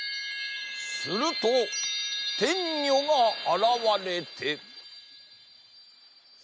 するとてんにょがあらわれて。